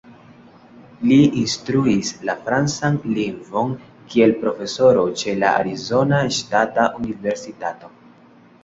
Li instruis la francan lingvon kiel profesoro ĉe la Arizona Ŝtata Universitato.